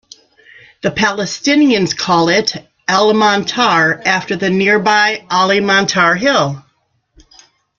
The Palestinians call it "Al-Montar", after the nearby Ali Montar hill.